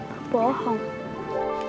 yang ketiga mengingkar janji